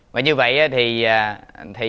mà như vậy thì